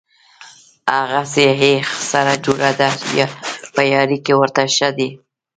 هغسې یې سره جوړه ده په یاري کې ورته ښه دي.